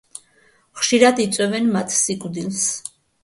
ხშირად იწვევენ მათ სიკვდილს.